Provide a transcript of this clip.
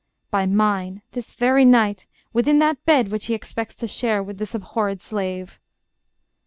By mine, this very night, Within that bed which he expects to share With this abhorred slave.